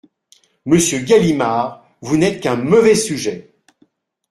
Monsieur Galimard, vous n’êtes qu’un mauvais sujet !